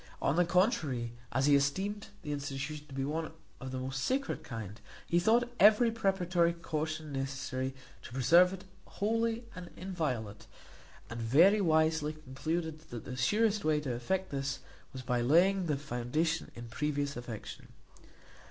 On the contrary, as he esteemed the institution to be of the most sacred kind, he thought every preparatory caution necessary to preserve it holy and inviolate; and very wisely concluded, that the surest way to effect this was by laying the foundation in previous affection.